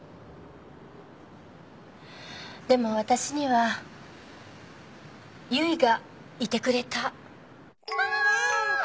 でも私には結衣がいてくれた。